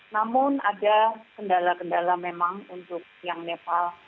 namun ada kendala kendala memang untuk yang nepal